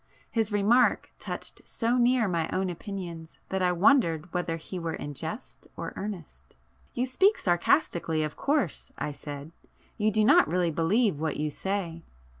His remark touched so near my own opinions that I wondered whether he were in jest or earnest. "You speak sarcastically of course?" I said—"You do not really believe what you say?"